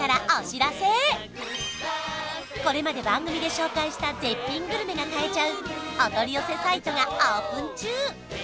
これまで番組で紹介した絶品グルメが買えちゃうお取り寄せサイトがオープン中